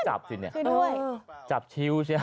จับชิวใช่หรอ